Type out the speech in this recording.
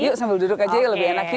yuk sambil duduk aja lebih enak yuk